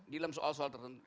di dalam soal soal tertentu